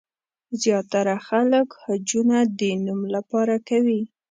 زیاتره خلک حجونه د نوم لپاره کوي.